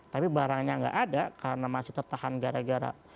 tapi barangnya nggak ada karena masih tertahan gara gara